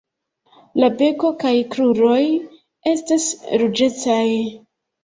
La beko kaj kruroj estas ruĝecaj.